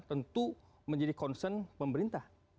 tentu menjadi concern pemerintah